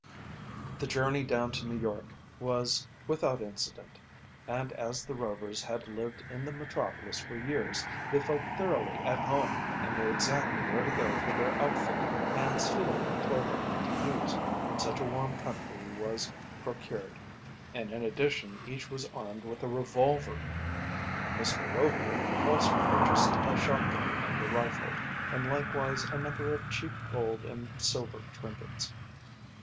The journey down to New York was without incident, and as the Rovers had lived in the metropolis for years they felt thoroughly at home and knew exactly where to go for their outfit and suitable clothing for use in such a warm country was procured, and in addition each was armed with a revolver. Mr. Rover also purchased a shot gun and a rifle, and likewise a number of cheap gold and silver trinkets.